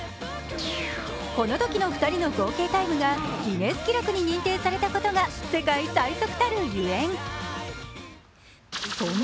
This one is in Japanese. このときの２人の合計タイムがギネス記録に認定されたことが世界最速たるゆえん。